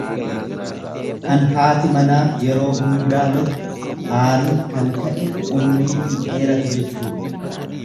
Kan haati manaa yeroo hundaa loltu, aariin kan ka'e umurii hin dheeratu jechuudha.